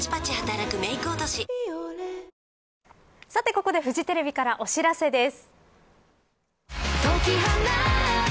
ここでフジテレビからお知らせです。